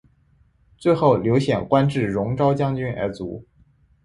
最后刘显官至戎昭将军而卒。